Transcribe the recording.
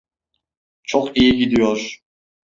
Çok iyi gidiyor.